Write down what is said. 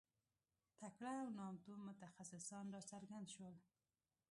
تکړه او نامتو متخصصان راڅرګند شول.